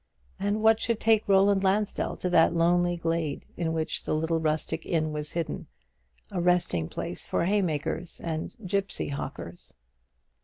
and what should take Roland Lansdell to that lonely glade in which the little rustic inn was hidden, a resting place for haymakers and gipsy hawkers?